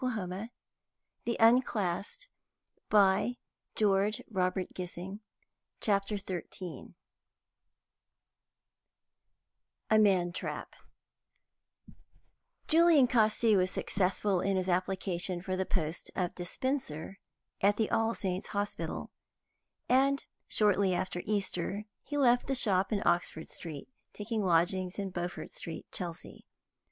Waymark followed, and was glad to get into the open streets again. CHAPTER XIII A MAN TRAP Julian Casti was successful in his application for the post of dispenser at the All Saints' Hospital, and shortly after Easter he left the shop in Oxford Street, taking lodgings in Beaufort Street, Chelsea.